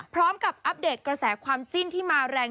อัปเดตกระแสความจิ้นที่มาแรง